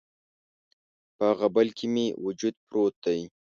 په هغه بل کي مې وجود پروت دی